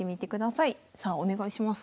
さあお願いします。